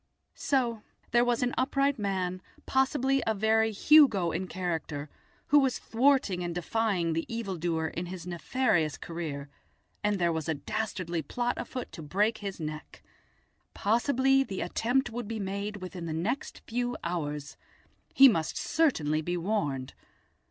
So there was an upright man, possibly a very Hugo in character, who was thwarting and defying the evildoer in his nefarious career, and there was a dastardly plot afoot to break his neck! Possibly the attempt would be made within the next few hours. He must certainly be warned.